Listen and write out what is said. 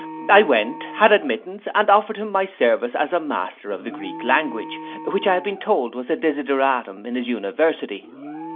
I went, had admittance, and offered him my service as a master of the Greek language, which I had been told was a desideratum in his university.